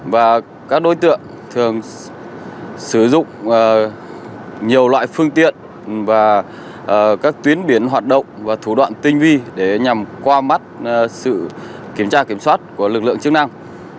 và các đối tượng thường sử dụng nhiều loại phương tiện và các tuyến biển hoạt động và thủ đoạn tinh vi để nhằm qua mắt sự kiểm tra kiểm soát của lực lượng chức năng